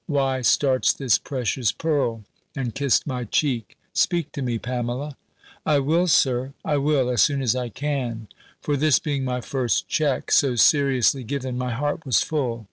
Why starts this precious pearl?" and kissed my cheek: "speak to me, Pamela!" "I will, Sir I will as soon as I can:" for this being my first check, so seriously given, my heart was full.